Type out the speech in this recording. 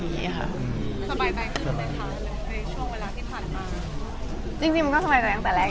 สบายใจขึ้นไหมคะในช่วงเวลาที่ผ่านมาจริงจริงมันก็สบายใจตั้งแต่แรก